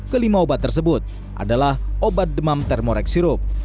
kelima obat tersebut adalah obat demam thermorex sirup